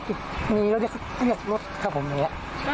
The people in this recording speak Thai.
ตรงงี้ครับผมอืมมันก็คือมีรถเครื่องรถครับผมเงี้ย